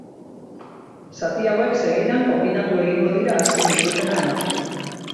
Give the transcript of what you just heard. Zati hauek, segidan, konbinatu egingo dira azken itzulpena emateko.